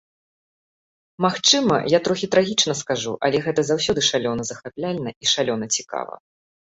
Магчыма, я трохі трагічна кажу, але гэта заўсёды шалёна захапляльна і шалёна цікава.